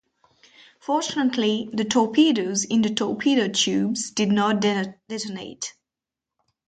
Fortunately, the torpedoes in the torpedo tubes did not detonate.